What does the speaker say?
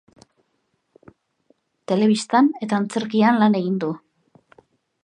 Telebistan eta antzerkian lan egin du.